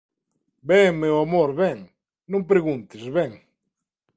Ven, meu amor, ven! Non preguntes, ven!